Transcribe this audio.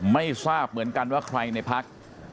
ไม่ทราบเหมือนกันว่าใครในพัก